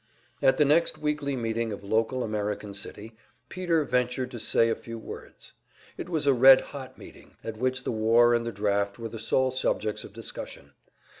At the next weekly meeting of Local American City, Peter ventured to say a few words. It was a red hot meeting, at which the war and the draft were the sole subjects of discussion.